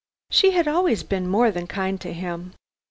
She had always been more than kind to him.